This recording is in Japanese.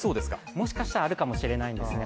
もしかしたらあるかもしれないんですね。